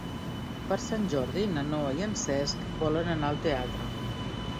Per Sant Jordi na Noa i en Cesc volen anar al teatre.